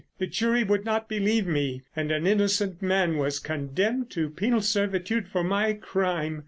The jury would not believe me, and an innocent man was condemned to penal servitude for my crime.